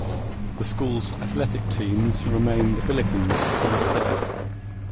The school's athletic teams remain the "Billikens" to this day.